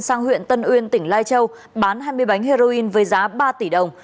sang huyện tân uyên tỉnh lai châu bán hai mươi bánh heroin với giá ba tỷ đồng